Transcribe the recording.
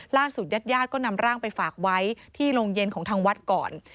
ญาติญาติก็นำร่างไปฝากไว้ที่โรงเย็นของทางวัดก่อน